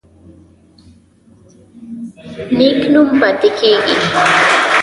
نیک نوم پاتې کیږي